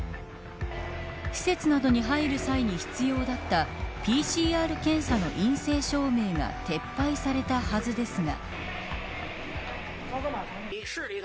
施設等に入る際に必要だったＰＣＲ検査の陰性証明が撤廃されたはずですが。